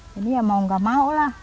jadi ya mau nggak mau lah